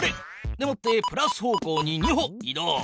でもってプラス方向に２歩い動。